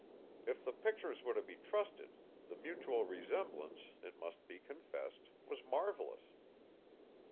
If the pictures were to be trusted, the mutual resemblance, it must be confessed, was marvellous.